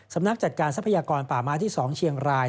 สำนักจัดการทรัพยากรป่าไม้ที่๒เชียงราย